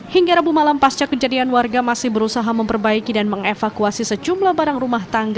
hingga rabu malam pasca kejadian warga masih berusaha memperbaiki dan mengevakuasi sejumlah barang rumah tangga